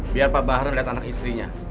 biar pak bahra lihat anak istrinya